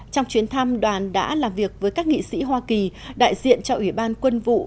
trong chuyến thăm đoàn đã làm việc với các nghị sĩ hoa kỳ đại diện cho ủy ban quân vụ